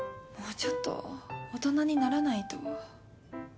もうちょっと大人にならないと。